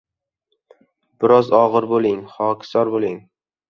Biroz og‘ir bo‘ling, xokisor bo‘ling